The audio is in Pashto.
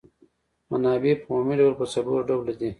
منابع په عمومي ډول په څلور ډوله دي.